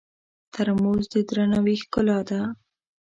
ترموز د درناوي ښکلا ده.